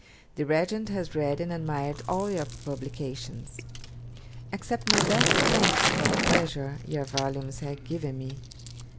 The Regent has read and admired all your publications. 'Accept my best thanks for the pleasure your volumes have given me.